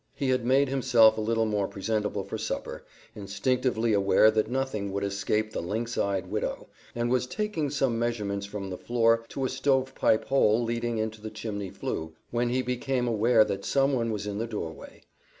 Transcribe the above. He had made himself a little more presentable for supper, instinctively aware that nothing would escape the lynx eyed widow, and was taking some measurements from the floor to a stovepipe hole leading into the chimney flue, when he became aware that someone was in the doorway.